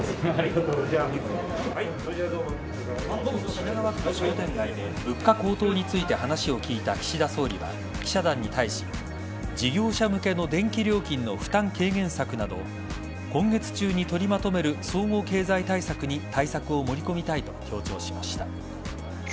品川区の商店街で物価高騰について話を聞いた岸田総理は記者団に対し事業者向けの電気料金の負担軽減策など今月中に取りまとめる総合経済対策に対策を盛り込みたいと強調しました。